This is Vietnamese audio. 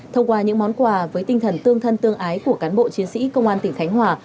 thông qua những món quà với tinh thần tương thân tương ái của cán bộ chiến sĩ công an tỉnh khánh hòa